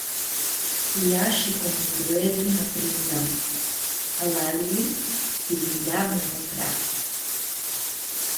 “Ia shi cu minduerli nã priimnãm”, lalili tsi vindea mi-mutrea.